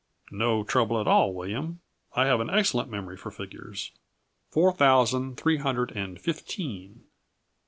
"No trouble at all, William. I have an excellent memory for figures. Four thousand, three hundred and fifteen.